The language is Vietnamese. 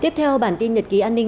tiếp theo bản tin nhật ký an ninh